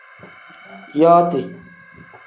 Yooti.